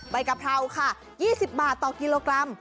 กะเพราค่ะ๒๐บาทต่อกิโลกรัม